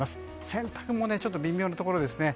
洗濯もちょっと微妙なところですね。